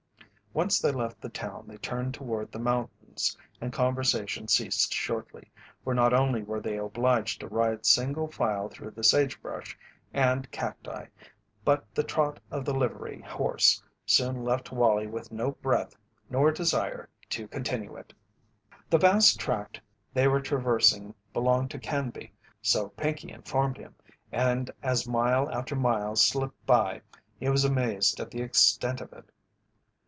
Once they left the town they turned toward the mountains and conversation ceased shortly, for not only were they obliged to ride single file through the sagebrush and cacti but the trot of the livery horse soon left Wallie with no breath nor desire to continue it. The vast tract they were traversing belonged to Canby, so Pinkey informed him, and as mile after mile slipped by he was amazed at the extent of it.